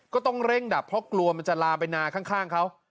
ก็ต้องเร่งดับเพราะกลัวมันจะลามไปนาข้างเขา